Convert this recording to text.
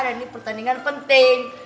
dan ini pertandingan penting